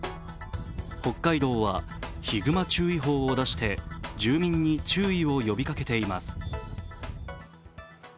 北海道はヒグマ注意報を出して住民に注意を呼びかけています。